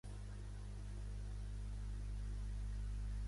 La sèrie de llibres fantàstics de Martin "Cançó de gel i de foc".